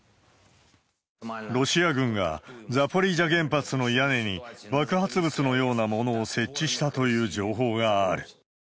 ロシア軍がザポリージャ原発の屋根に爆発物のようなものを設置したという情報がある。